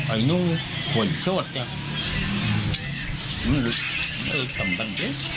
ไอ้นู้นโหยโชษกัน